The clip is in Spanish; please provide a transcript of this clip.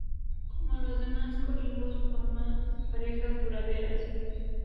Como los demás colimbos forma parejas duraderas.